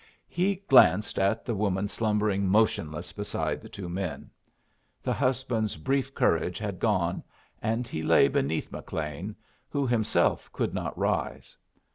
He glanced at the woman slumbering motionless beside the two men. The husband's brief courage had gone, and he lay beneath McLean, who himself could not rise.